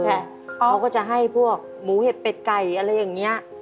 เขาก็จะให้พวกหมูเห็ดเป็ดไก่อะไรอย่างนี้